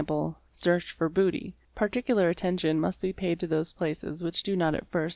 search ed for booty, particular attention must be paid to those places which do not at first Fig.